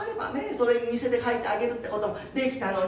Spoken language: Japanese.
それに似せて描いてあげるってこともできたのに。